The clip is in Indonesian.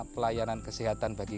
pelayanan kesehatan bagi